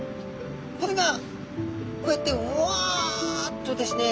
これがこうやってワッとですね